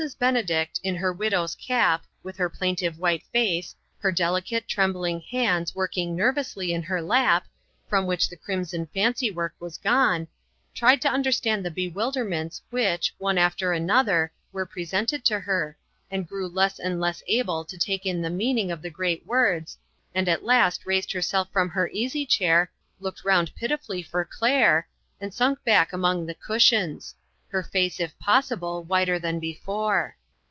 Benedict, in her widow's cap, with her plaintive white face, her delicate, trem bling hands working nervously in her lap, from which the crimson fancy work was gone, tried to understand the bewilderments which, one after another, were presented to her, and grew less and less able to take in the mean ing of the great words, and at last raised" herself from her easy chair, looked round piti fully for Claire, and sank back among the cushions her face, if .possible, whiter than before.